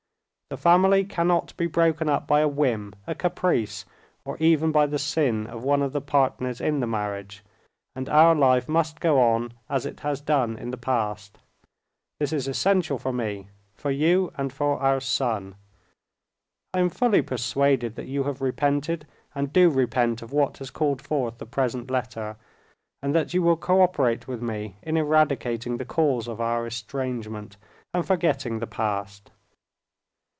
The family cannot be broken up by a whim, a caprice, or even by the sin of one of the partners in the marriage, and our life must go on as it has done in the past. This is essential for me, for you, and for our son. I am fully persuaded that you have repented and do repent of what has called forth the present letter, and that you will cooperate with me in eradicating the cause of our estrangement, and forgetting the past.